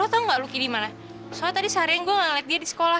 eh eh iya glenn lo tau gak lucky dimana soalnya tadi seharian gue gak liat dia di sekolah